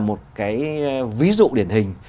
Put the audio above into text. một cái ví dụ điển hình